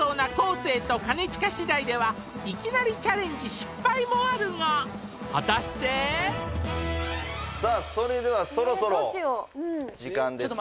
生と兼近次第ではいきなりチャレンジ失敗もあるが果たしてそれではそろそろ時間ですのでえどうしよう？